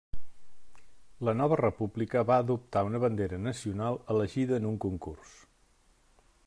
La nova República va adoptar una bandera nacional elegida en un concurs.